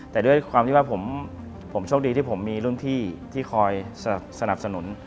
แต่ด้วยความที่ว่าผมโชคดีที่ผมมีรุ่นพี่ที่คอยสนับสนุน